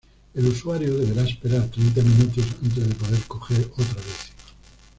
El usuario deberá esperar treinta minutos antes de poder coger otra bici.